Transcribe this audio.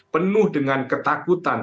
penuh dengan ketakutan